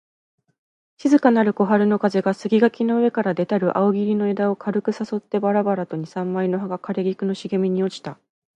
静かなる小春の風が、杉垣の上から出たる梧桐の枝を軽く誘ってばらばらと二三枚の葉が枯菊の茂みに落ちた